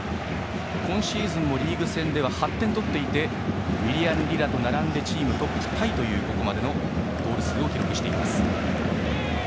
今シーズンもリーグ戦では８点取っていてウィリアン・リラと並んでチームトップタイというゴール数を記録しています。